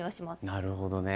なるほどね。